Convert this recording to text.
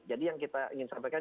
jadi yang kita ingin sampaikan